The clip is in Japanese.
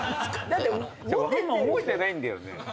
あんま覚えてないんだよね。